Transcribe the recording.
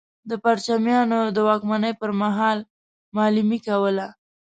د پرچمیانو د واکمنۍ پر مهال معلمي کوله.